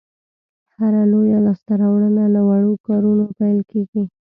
هره لویه لاسته راوړنه له وړو کارونو پیل کېږي.